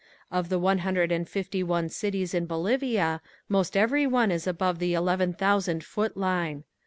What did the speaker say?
Of the one hundred and fifty one cities in Bolivia most every one is above the eleven thousand foot line.